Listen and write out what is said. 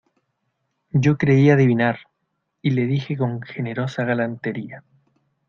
yo creí adivinar, y le dije con generosa galantería: